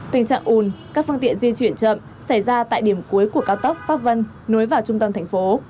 tình trạng ùn các phương tiện di chuyển chậm xảy ra tại điểm cuối của cao tốc pháp vân nối vào trung tâm thành phố